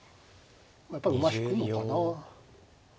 やっぱり馬引くのかな。